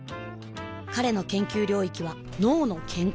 彼の研究領域は「脳の健康」